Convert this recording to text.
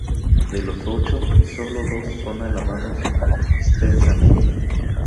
De los ocho, solo dos son alabados extensamente.